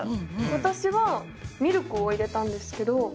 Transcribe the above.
私はミルクを入れたんですけど。